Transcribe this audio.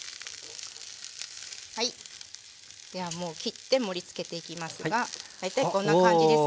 ではもう切って盛りつけていきますが大体こんな感じですね。